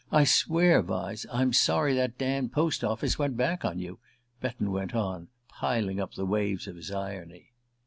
I swear, Vyse, I'm sorry that damned post office went back on you," Betton went on, piling up the waves of his irony.